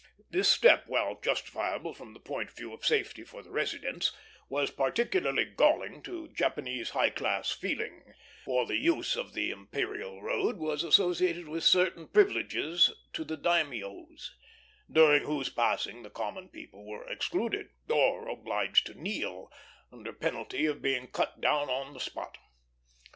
This step, while justifiable from the point of view of safety for the residents, was particularly galling to Japanese high class feeling; for the use of the imperial road was associated with certain privileges to the daimios, during whose passing the common people were excluded, or obliged to kneel, under penalty of being cut down on the spot.